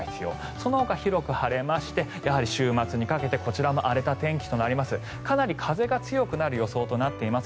そのほか広く晴れましてやはり週末にかけてこちらも荒れた天気となります。